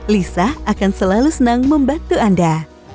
lisa akan selalu senang membantu anda